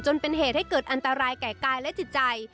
จนเป็นเหตุให้เกิดอันตรายแก่กายและจิตใจ